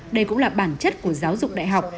đây cũng là bản chất của giáo dục đại học